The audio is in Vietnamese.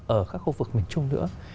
ở các khu vực miền trung nữa